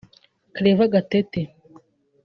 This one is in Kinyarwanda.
Clever Gatete